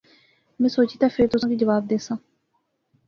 میں سوچی تے فیر تساں کی جواب دیساں